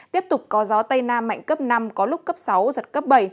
tiếp tục có gió tây nam mạnh cấp năm có lúc cấp sáu giật cấp bảy